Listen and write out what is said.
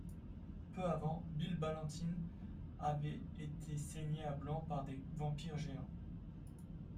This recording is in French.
Peu avant, Bill Ballantine avait été saigné à blanc par des vampires géants.